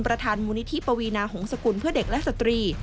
ประธานมูลนิธิปวีนาหงษกุลเพื่อเด็กและสตรี